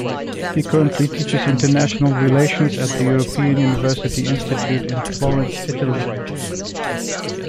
He currently teaches International Relations at the European University Institute in Florence, Italy.